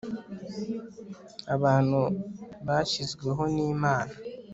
Abantu bashyizweho nImana